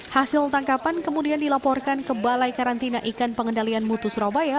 hasil tangkapan kemudian dilaporkan ke balai karantina ikan pengendalian mutu surabaya